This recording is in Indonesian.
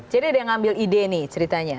jadi ada yang ngambil ide nih ceritanya